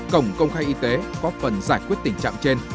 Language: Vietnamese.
cổng công khai y tế góp phần giải quyết tình trạng trên